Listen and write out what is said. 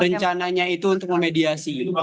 rencananya itu untuk memediasi